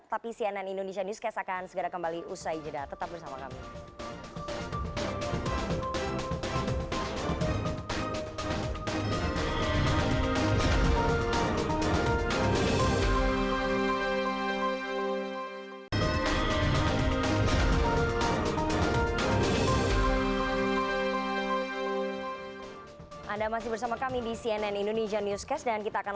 tapi cnn indonesia news kes akan segera kembali usai jeda tetap bersama kami